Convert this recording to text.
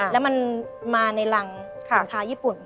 แล้วมันมาในรังสินค้าญี่ปุ่น